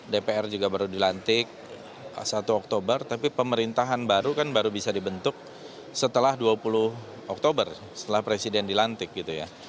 dpr juga baru dilantik satu oktober tapi pemerintahan baru kan baru bisa dibentuk setelah dua puluh oktober setelah presiden dilantik gitu ya